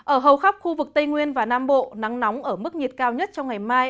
ở hầu khắp khu vực tây nguyên và nam bộ nắng nóng ở mức nhiệt cao nhất trong ngày mai